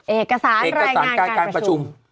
เอกสารการประชุม